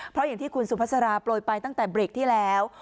เพราะอย่างที่คุณสุภาษาโปรยไปตั้งแต่เบรกที่แล้ว